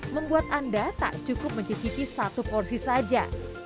membuat anda tak cukup mencicipi satu porsi saja